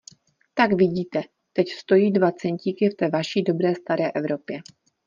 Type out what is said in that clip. Tak vidíte; teď stojí dva centíky v té vaší dobré staré Evropě.